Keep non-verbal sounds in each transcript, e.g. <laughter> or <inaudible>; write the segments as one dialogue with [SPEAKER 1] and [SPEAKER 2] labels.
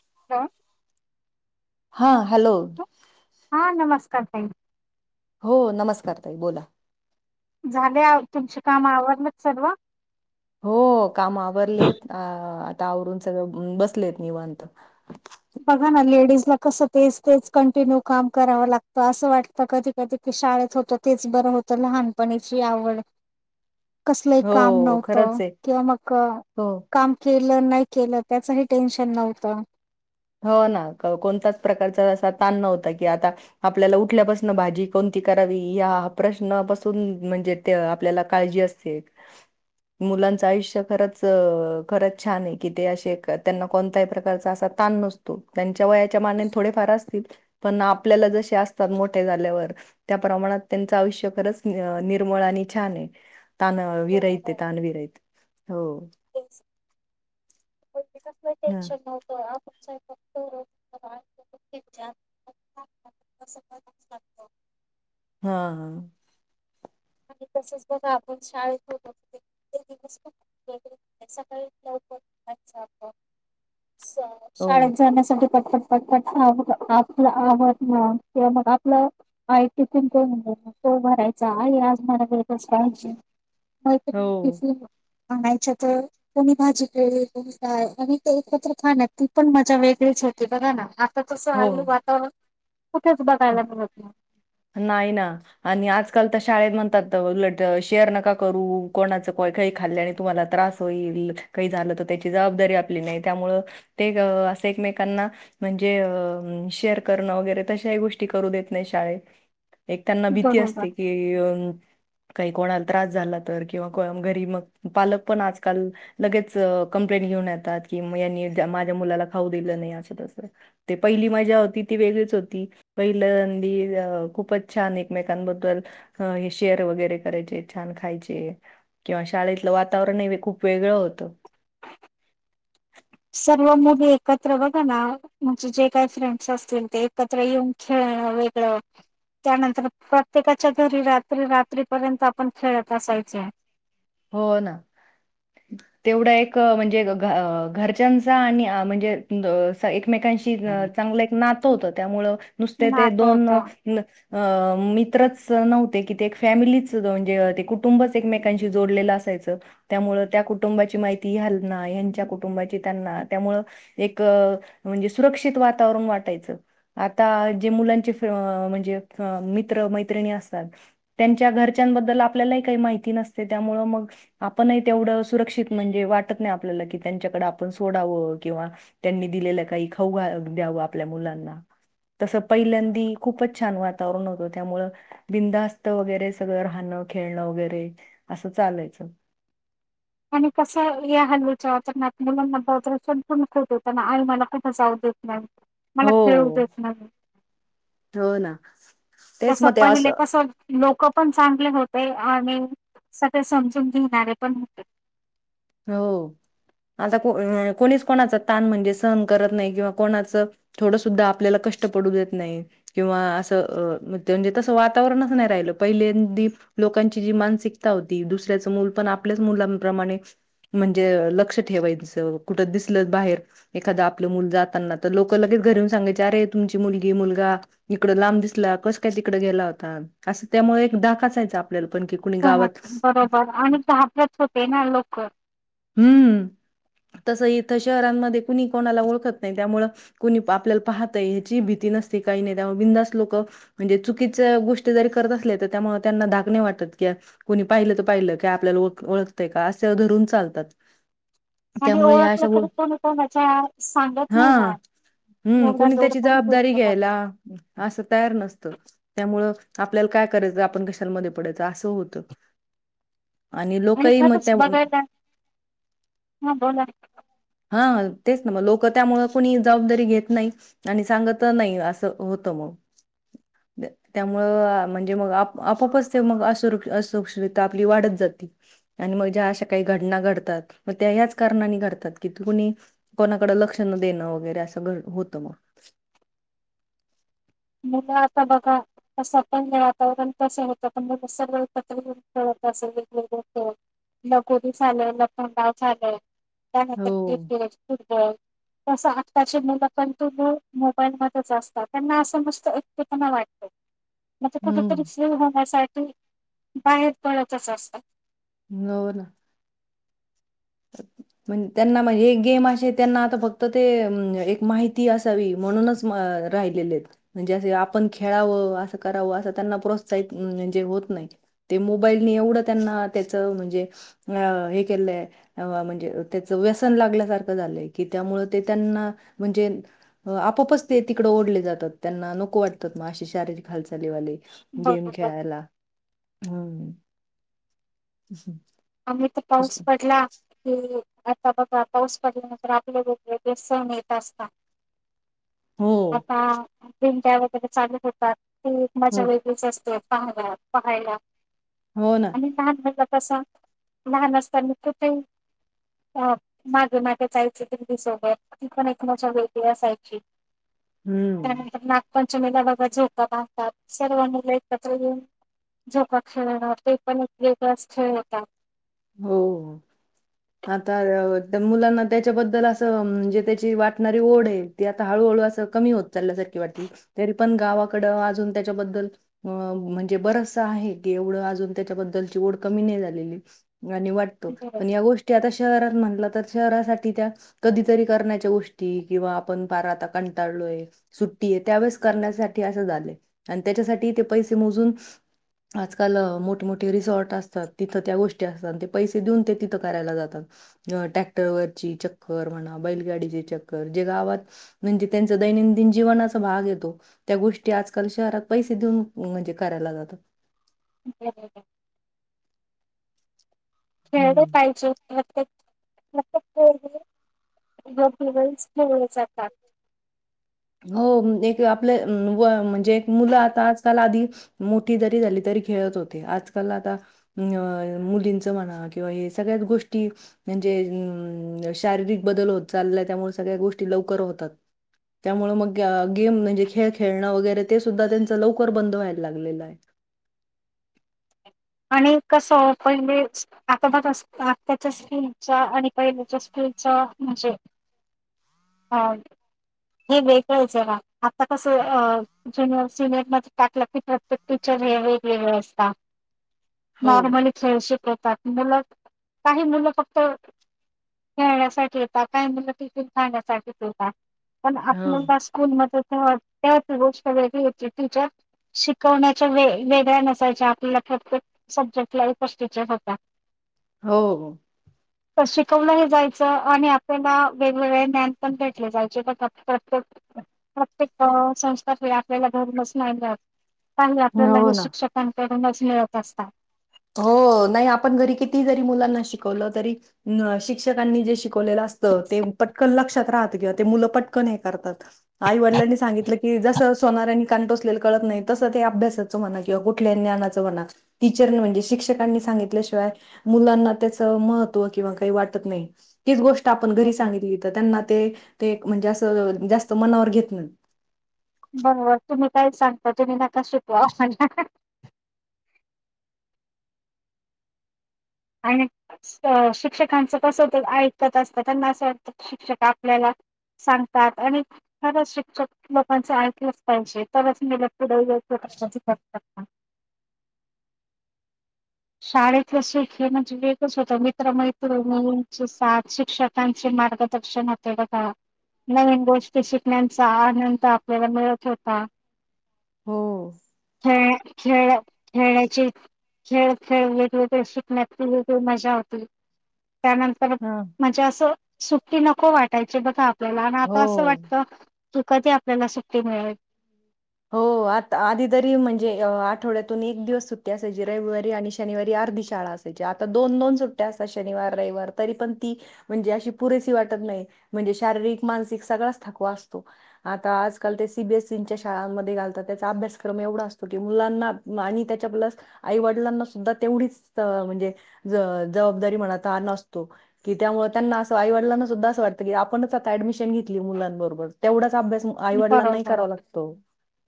[SPEAKER 1] <unintelligible>
[SPEAKER 2] हा हॅलो!
[SPEAKER 1] हा नमस्कार! ताई.
[SPEAKER 2] हो, नमस्कार ताई बोला.
[SPEAKER 1] झाले तुमचे काम आवरलतं सर्व?
[SPEAKER 2] हो, काम आवरलेत अ वरून सगळं बसलेत निवांत.
[SPEAKER 1] बघा ना लेडीजला कस ते तेच कंटिन्यू काम करावं लागतं, असं वाटत कधी कधी शाळेत होत तेच बरं होत, लहानपणीची आवड कसलही
[SPEAKER 2] हो
[SPEAKER 1] काम नव्हत,
[SPEAKER 2] खरंच आहे
[SPEAKER 1] किंवा मग
[SPEAKER 2] हो
[SPEAKER 1] काम के ल नाही केलं त्याचही टेन्शन नव्हतं.
[SPEAKER 2] हो ना, कोणताच प्रकारचा असा ताण नव्हता, कि आता आपल्याला उठल्यापासून भाजी कोणती करावी या प्रश्नापासुन म्हणजे ते आपल्याला काळजी असते. मुलांचं आयुष्य खरंच खरंच छान! आहे की ते असे त्यांना कोणत्याही प्रकारच अस ताण नसतो, त्यांच्या वयाच्या मानेने थोडे फार असतील. पण आपल्याला जसे असतात, मोठे झाल्यावर त्या प्रमाणात त्यांचं आयुष्य खरंच निर्मळ छान! आहे ताण विरहत
[SPEAKER 1] बरोबर
[SPEAKER 2] ताणविरहत हो.
[SPEAKER 1] <unintelligible> कस
[SPEAKER 2] हां,
[SPEAKER 1] टेन्शन नव्हतं आपण फक्त <unintelligible> <unintelligible>
[SPEAKER 2] हा हा.
[SPEAKER 1] आणि तसच बघा आपण शाळेततो <unintelligible> सकाळी
[SPEAKER 2] हो,
[SPEAKER 1] शाळेत जाण्यासाठी. पटपट पटपट <unintelligible> आपलं आवरन किंवा मग आपलं आय टिथून तो भरायचा आहे आज मला
[SPEAKER 2] हो,
[SPEAKER 1] <unintelligible> बांगायच्या तर कोणी भाजी केलीय आणि ते एकत्र खाण्यात ती मजा वेगळीच. छवती बघा ना आता तसं आलू
[SPEAKER 2] हो.
[SPEAKER 1] वातावरण कुठेच बघायला मिळत नाही.
[SPEAKER 2] नाही ना आणि आजकाल शाळेत म्हणतात उलट शेअर नका करू कोणाचं कय काही खाल्ले आणि तुम्हाला त्रास होईल. काय झाल त्याची जबदारी आपली नाही त्यामुळे ते अस एकमेकांना म्हणजे शेअर करणं वगैरे तशाही गोष्टी करू देत नाही शाळेत. एक त्यांना भीती
[SPEAKER 1] बरोबर.
[SPEAKER 2] असते की काही कोणाला त्रास झाला तर किंवा घरी मग पालक पण आजकाल लगेच कंप्लेन घेऊन येतात म यांनी माझ्या मुलाला खऊ दिल नाही असं तसं ती पहिली मज्जा होती ती वेग होती. पहिलं अंदी खूपच छान एकमेकांबद्दल हे शेअर वगैरे करायचे छान खायचे किंवा शाळेतलं वातावरण हे खूप वेगळं होतं.
[SPEAKER 1] <inaudible> सर्व मुली एकत्र बघ ना म्हणजे जे काही फ्रेंड्स असतील ते एकत्र येऊन खेळ हा वेगळं.. त्यानंतर प्रत्येकाच्या घरी रात्री रात्रीपर्यंत आपण खेळत असायचो.
[SPEAKER 2] हो ना. तेवढा एक म्हणजे घरच्यांचा आणि म्हणजे <unintelligible> मेकांशी चांगलं एक नातं होतं त्यामुळं नुसते ते
[SPEAKER 1] नातं
[SPEAKER 2] दोन अ
[SPEAKER 1] होतं
[SPEAKER 2] मित्रच नव्हते कि ते एक फॅमिलीच म्हणजे ते कुटुंबच एकमेकांशी ते जोडलेलं असायचं त्यामुळं त्या कुटुंबाची माहिती ह्यांना ह्यांच्या कुटुंबांची त्यांना त्यामुळं एक म्हणजे सुरक्षित वातावरण वाटायचं, आता जे मुलांचे अं म्हणजे मित्र मैत्रिणी असतात त्यांच्या घरच्यांबद्दल आपल्यालाही काही माहिती नस ते त्यामुळ मग आपणही तेवढं सुरक्षित म्हणजे वाटत नाही आपल्याला की त्यांच्याकडे आपण सोडावं किंवा त्यांनी दिलेलं काही खाऊ द्याव आपल्या मुलांना. तसं पहिल्यांदी खूपच छान वातावरण होतं त्यामुळं बिंदास्त वगैरे सगळं राहनं खेळणं वगैरे असं चालायचं.
[SPEAKER 1] आणि कसं <unintelligible> आई मला कुठं जाऊ देत नाही. मला
[SPEAKER 2] हो
[SPEAKER 1] खेळू देत नाही.
[SPEAKER 2] हो ना
[SPEAKER 1] तस
[SPEAKER 2] तेच मग ते
[SPEAKER 1] पहिले
[SPEAKER 2] असं
[SPEAKER 1] कस लोकं पण चांगले होते आणि सगळे समजून घेणारे पण होते.
[SPEAKER 2] हो. आता कोणीच कोणाच ताण म्हणजे सहन करत नाही किंवा कोणाचं थोडं सुद्धा आपल्याला क कष्ट पडू देत नाही किंवा असं म्हणजे तसं वातावरणच नाही राहिलं पहिलेंदीप लोकांची जी मानसिकता होती दुसऱ्याच मुल पण आपल्याच मुलांप्रमाणे म्हणजे लक्ष ठेवायचं कुठ दिसलं बाहेर एखाद आपलं मुल जाताना तर लोकं लगे घरी येऊन सांगायची अरे तुमची मुलगी मुलगा इकड लांब दिसला कस काय तिकडं गेला होता अस ते त्यामुळं एक धाक असायचा. आपल्याला पण की कुणी गावात
[SPEAKER 1] बरोबर आणि घाबरत होते ना लोकं.
[SPEAKER 2] हम्म. तस इथं शहरांमध्ये कुणी कोणाला ओळखत नाही त्यामुळं कुणी आपल्याला पाहतंय ह्याची भीती नसते काही नं त्यामुळं बिनधास्त लोकं म्हणजे चुकिच्या गोष्टी जरी करत असल्या तरी त्यामुळं त्यांना धाक नाही वाटत. क्या कुणी पाहिलं तर पाहिलं का आपल्यालाओ ओळतंय का असे धरून चालतात.
[SPEAKER 1] आणि
[SPEAKER 2] त्यामुळे ह्या
[SPEAKER 1] ओळखलं
[SPEAKER 2] अशा गो
[SPEAKER 1] तर कोणी कोणाच्या सांगत
[SPEAKER 2] हा
[SPEAKER 1] नाही ना.
[SPEAKER 2] हम्म
[SPEAKER 1] एवढा
[SPEAKER 2] कोणी
[SPEAKER 1] लोड
[SPEAKER 2] त्याची
[SPEAKER 1] घेत
[SPEAKER 2] जबाबदारी
[SPEAKER 1] नाही
[SPEAKER 2] घ्यायला असं तयार नसतं त्यामुळं आपल्याला काय करायचं आपण कशाला मध्ये पडायचं असं होतं. आणि लोकही म
[SPEAKER 1] खरंच
[SPEAKER 2] त्या
[SPEAKER 1] बघायला हा बोला.
[SPEAKER 2] हां तेच ना मग लोक त्यामुळं कोणी जबाबदारी घेत नाही आणि सांगत नाही असं होतं म. <inaudible> त्यामुळं म्हणजे मग आप आपोपच ते मग <unintelligible> सुरक्षितताआपली वाढत जाते. ती, आणि म ज्या अशा काही घडना घडतात मग त्या ह्याच कारणानी घडतात. तिथं कुणी कोणाकड लक्ष न देणं वगैरे असं घ होत म.
[SPEAKER 1] <inaudible> मुलं आता बघा <unintelligible> वातावरण <unintelligible> <unintelligible> लगोरी झालं, लपंडाव झालं.
[SPEAKER 2] हो
[SPEAKER 1] <unintelligible> तस आत्ताचे मुलं पंतु मो मोबाईल मधेच असतात त्यांना असं.
[SPEAKER 2] हम्म
[SPEAKER 1] <unintelligible> ते बाहेर पडायाच च असत.
[SPEAKER 2] नोन. त्यांना म्हणजे एक गेम अशीए त्यांना आता फक्त ते एक माहिती असावी. म्हणूनच म राहिलेत म्हणजे अस आपण खेळावं असं करावं अस त्यांना प्रोसहित जे होत नाही, ते मोबाईलनी एवढ त्यांना त्याच म्हणजे हे केलंय म्हणजे त्याच व्यसन लागल्यासारखं झालंय की त्यामुळे ते त्यांना म्हणजे आ आपोपच ते तिकडे ओढले जातात त्यांना नको वाटतात मग अशी शारीरिक हालचाली वाले. गेम
[SPEAKER 1] बरोबर
[SPEAKER 2] खेळायला, हम्म. <inaudible>
[SPEAKER 1] आम्ही तर पाऊस पडला की आता बघा पाऊस पडल्यानंतर आपले वेगवेगळे सण येत असतात.
[SPEAKER 2] हो
[SPEAKER 1] आता <unintelligible> वगैरे चालू होतात ती मजा
[SPEAKER 2] हो
[SPEAKER 1] वेगळीच असते. पहा पहा पहायला
[SPEAKER 2] हो ना
[SPEAKER 1] आणि काय म्हटलं तस लहान असताना तु ते अ मागे मागे जायची ती सोबत ती पण एक मोज्या वेगळी असायची.
[SPEAKER 2] हम्म.
[SPEAKER 1] पंचमीला बघा झोका बांधतात सर्व मुलं एकत्र येऊन. झोखा खेळणार ते पण एक वेगळाच खेळ होता.
[SPEAKER 2] हो. आता मुलांना त्याच्याबद्दल असं म्हणजे त्याची वाटणारी ओढ आहे ती आता हळू खोल वासात कमी होत चाल्या वाटती तरी पण गवा कड आजून त्याच्या बद्दल अ म्हणजे बरस आहे की एवढं अजून त्याच्याबद्दलची ओढ कमी नाही झालेली. आणि वाटतो
[SPEAKER 1] खेळले
[SPEAKER 2] पण या गोष्टी आता शहरात म्हटला तर शहरा साठी त्या कधीतरी करण्या च्या गोष्टी किंवा आपण पार कंटालोय सुट्टी <unintelligible> त्यावेळेस करण्यासाठी असं झालं आणि त्याच्यासाठी ते पैसे मोजून आजकाल मोठेमोठे रिसॉर्ट असतात तिथं त्या गोष्टी असतात, पैसे देऊन ते तिथ करायला जातात, टॅक्टर वरचे चक्कर म्हणा बैलगाडीची चक्कर, जे गावात म्हणजे त्यांच दैनंदिन जीवनाचा भाग हाय तो त्या गोष्टी आजकाल शहरात पैसे देऊन म्हणजे करायला जातात.
[SPEAKER 1] बरोबर. खेळलं
[SPEAKER 2] हं.
[SPEAKER 1] पाहिजे, प्रत्येक <unintelligible> <unintelligible>
[SPEAKER 2] हो एक आपलं म्हणजे एक मुलं आता आजकाल आधी मोठी जरी झाली तरी ते खेळत होते आज-काल आत्ता न मुलींचं म्हणा सगळ्याच गोष्टी म्हणजे शारीरिक बदल होत चालाय त्यामुळे सगळ्या गोष्टी लवकर होतात.
[SPEAKER 1] <inaudible>
[SPEAKER 2] त्यामु मग गेम म्हणजे खेळ खेळणं वगैरे ते सुद्धा त्यांचा लवकर बंद व्हायला लागलेलं आहे
[SPEAKER 1] <inaudible> आणि कस पहिले आतार आताच्या स्चा आणि पहिलेच्या स् म्हणजे हा हे वेगळंच आता कस जुर सिनियर मध्ये टाकलं कीेच वे
[SPEAKER 2] हो.
[SPEAKER 1] नॉर्म खेळ येतात मुलं काही मुलं फक्त खेळण्यासाठी येत काय मुलं टििकून खाण्यासाठीच येतता पण
[SPEAKER 2] हो
[SPEAKER 1] आपल्याक म त्यावर गोष्ट वेगळी होती तिच्या शिकवण्याच्या वे वेगळ्या नसायच्या आपल्याला ख सब्जेक्ट ला फस टीचर्स होता
[SPEAKER 2] हो
[SPEAKER 1] तर शिकवलं जायचं आणि आपल्याला वेगवेगळे ज्ान पण भेटले जायचे प्रत्ये प्रत्येक संस्थाले आपल्याला घर बसणार काही आपल्याला
[SPEAKER 2] हो
[SPEAKER 1] हे
[SPEAKER 2] ना
[SPEAKER 1] शिक्षकांकडूनच मिळत असतात
[SPEAKER 2] हो नाही आपण घरी किती जरी मुलांना शिकवलं तरी शिक्षकांनी जे शिक वले असत ते पटकन लक्षात राहत किंवा ते मुलं पटकन हे करतात. आई वडलांनी सांगितल कि जसं सोनारानी कान टोचलेल कळतं नाही त तसं ते अभ्यासाचं म्हणा किंवा कुठल्याही ज्ञानाच म्हणा टीचर नी म्हंजे शिक्षकांनी सांगितल्याशिवाय मुलांना त्याच महत्त्व किंवा काही वाटत नाही तीच गोष्ट आपण घरी
[SPEAKER 1] बरोबर
[SPEAKER 2] सांगितली त त्यांना ते ते म्हणजे अस जास्त मनावर घेत नाहीत.
[SPEAKER 1] बरोबर तुम्ही काय सांगता तुम्ही नका शिकवा आम्हाला आणि स अ शिक्षकांच कसं ते ऐकतात असतात त्यांना, असं वाटतं शिक्षक आपल्याला सांगतात, आणि खर शिक्षक लोकांचे ऐकलच पाहिजे तरच मुल पुढे येऊ <unintelligible> शाळेतल सुख हे म्हणजे वेगळंच होत मित्रं-मैत्रिणींची साथ शिक्षकांचे मार्गदर्शक <unintelligible> नवीन गोष्टी शिकण्यांचा आनंद आपल्याला मिळत होता.
[SPEAKER 2] हो.
[SPEAKER 1] खेळ खेळ खेळ्याचे खेळ खेळले ते शिकण्यात ति वेगळी मजा होती त्यानंतर
[SPEAKER 2] हा
[SPEAKER 1] म्हणजे अस सुट्टी नको वाटायची बघा त्याला आणि आता असं
[SPEAKER 2] हो.
[SPEAKER 1] वाटतं की कधी आपल्याला सुट्टी मिळेल?
[SPEAKER 2] हो आता अ आधी तरी म्हणजे आठवड्यातून एक दिवस सुट्टी असायची रविवारी आणि शनिवारी अर्धी शाळा असायची आणि आता दोन दोन सुट्टया असतात, शनिवार रविवार तरी पण ती म्हंजे अशी पुरेसी वाटत ना नाही म्हणजे शारीरिक मानसिक सगळाच थकवा असतो. आता आजकाल ते सी बी एस सीं च्या शा शाळांमध्ये घातलात त्याचा अभ्यासक्रम एवढा असतो कि मुलांना आणि त्यांच्या प्लस आई वडलांना सुद्धा एवढीच त अ म्हणजे ज जवाबदारी म्हणा तान असतो कि त्यामुळें असं आई वडिलांना सूद्धा अस वाटत की आपणच आता ऍडमिशन घेतली मुलांबरोबर तेवढाच अभ्यास आईवडिलांनाही
[SPEAKER 1] बरोबर
[SPEAKER 2] करावा लागतो.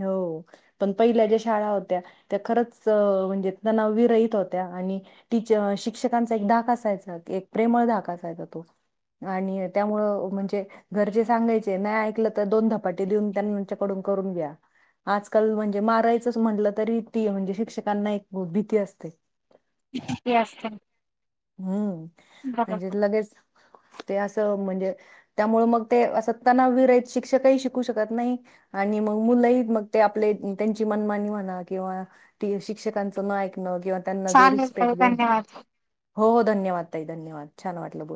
[SPEAKER 2] हो पण पहिल्या ज्या शाळां होत्या त्या खरंच अ म्हणजे तनाव विरहित होत्या. आणि टीच शिक्षकांचा एक धाक असायचा, एक प्रेमळ धाक असायचा तो. आणि त्यामुळं म्हणजे घरचे सांगायचे नाही ऐकल तर, दोन धपाटे देऊन त्यांच्या पडून करून घ्या आजकाल म्हणजे मारायचच म्हटलं तरी, ती म्हणजे शिक्षकांना एक भीती असते.
[SPEAKER 1] हे असतं
[SPEAKER 2] हम्म् म्हणजे
[SPEAKER 1] बरोबर
[SPEAKER 2] लगेच ते अस त म्हणजे त्यामुळे मग ते अस तनाव विरहित शिक्षकही शिकू शकत नाही आणि मग मुलंही मग ते आपले त्यांची मनमानी म्हणा किंवा ते शिक्षकांच न एकन किंवा त्यांना जो
[SPEAKER 1] चालेल ताई
[SPEAKER 2] रिसपेक्ट
[SPEAKER 1] धन्यवाद.
[SPEAKER 2] धन्यवाद ताई धन्यवाद छान वाट बोलून